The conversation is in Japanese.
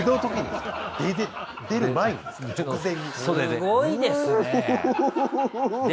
すごいですね。